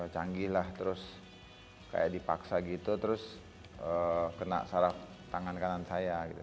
canggih lah terus kayak dipaksa gitu terus kena saraf tangan kanan saya gitu